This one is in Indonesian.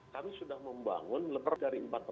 kami sudah membangun lebar dari empat ratus